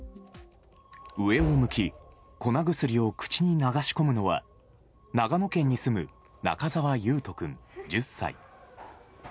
上を向き粉薬を口に流し込むのは長野県に住む中澤維斗君、１０歳。